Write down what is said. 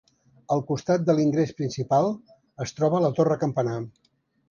Al costat de l'ingrés principal es troba la torre-campanar.